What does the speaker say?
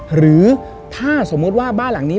หรือถ้าสมมุติว่าบ้านหลังนี้